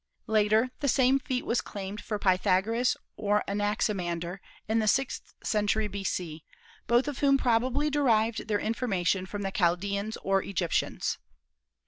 Later the same feat was claimed for Pythagoras or Anaximander in the sixth century B.C., both of whom probably derived their information from the Chaldeans or Egyptians.